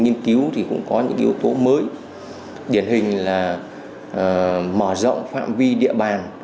nhiên cứu cũng có những yếu tố mới điển hình là mở rộng phạm vi địa bàn